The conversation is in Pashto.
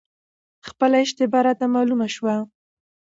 خپله اشتباه راته معلومه شوه،